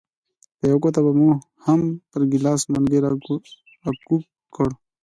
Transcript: په یوه ګوته به مو هم پر ګیلاس منګی راکوږ کړ.